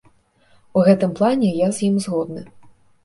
У гэтым плане я з ім згодны.